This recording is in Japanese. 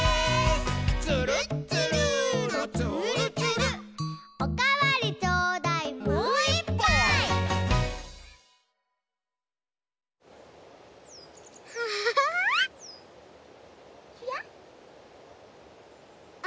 「つるっつるーのつーるつる」「おかわりちょうだい」「もういっぱい！」ちらっ。